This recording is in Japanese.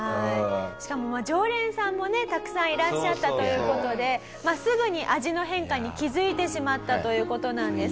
しかも常連さんもねたくさんいらっしゃったという事ですぐに味の変化に気づいてしまったという事なんです。